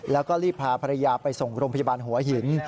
แล้วก็รีบพาภรรยาไปส่งโรงพยาบาลหัวหิน